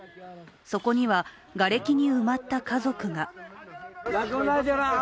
そこには、がれきに埋まった家族が。